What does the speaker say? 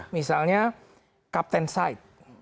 misalnya captain side